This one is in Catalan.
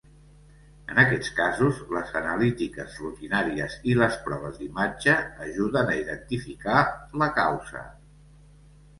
En aquests casos, les analítiques rutinàries i les proves d'imatge ajuden a identificar la causa.